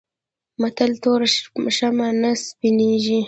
متل: توره شمه نه سپينېږي.